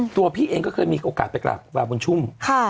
ตัวพี่เองก็เคยมีโอกาสไปกลับครูบาบุญชุ่มค่ะ